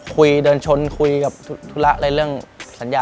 คุยเดินชนคุยกับธุระเรื่องสัญญา